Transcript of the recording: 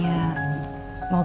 kami something sebelas